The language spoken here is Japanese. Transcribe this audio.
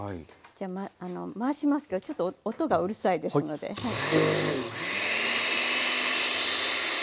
じゃあ回しますけどちょっと音がうるさいですのではい。